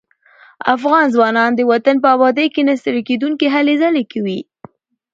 افغان ځوانان د وطن په ابادۍ کې نه ستړي کېدونکي هلې ځلې کوي.